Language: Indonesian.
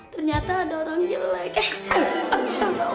ternyata ada orang jelek